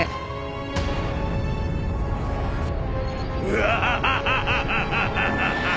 フハハハハ！